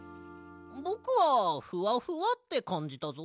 ぼくは「フワフワ」ってかんじたぞ。